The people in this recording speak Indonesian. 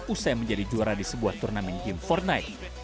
usai menjadi juara di sebuah turnamen e sports